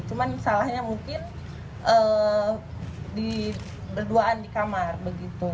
cuman salahnya mungkin berduaan di kamar begitu